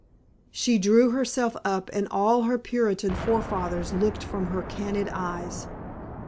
She drew herself up and all her Puritan forefathers looked from her candid eyes.